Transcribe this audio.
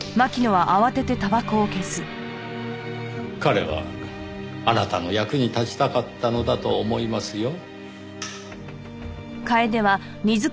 彼はあなたの役に立ちたかったのだと思いますよ。